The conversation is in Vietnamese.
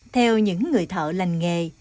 theo những người thợ lành nghề